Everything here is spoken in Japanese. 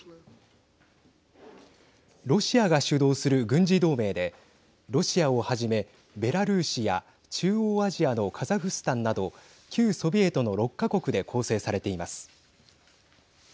ロシアが主導する軍事同盟でロシアをはじめベラルーシや中央アジアのカザフスタンなど旧ソビエトの６か国で構成されています。